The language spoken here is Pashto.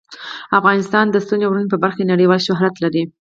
افغانستان د ستوني غرونه په برخه کې نړیوال شهرت لري.